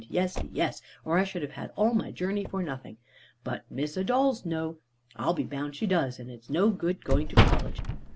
Yes, yes. Or I should have had all my journey for nothing. But Miss Idols knows, I'll be bound she does, or it's no good going to College."